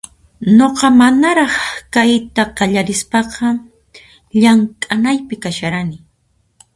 Nuqa manaraq kayta qallarispaqa llanmk´anaypi kasharani